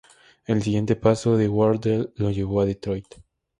El siguiente paso de Wardell lo llevó a Detroit.